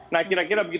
nah kira kira begini